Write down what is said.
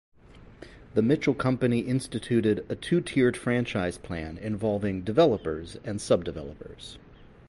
The Mitchell Company instituted a two-tiered franchise plan involving "Developers" and "Subdevelopers".